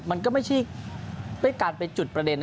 มันก็ไม่ใช่ด้วยการไปจุดประเด็น